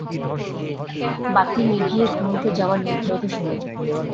বাতি নিভিয়ে ঘুমুতে যাবার নির্ধারিত সময়।